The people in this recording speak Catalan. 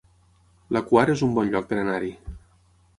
La Quar es un bon lloc per anar-hi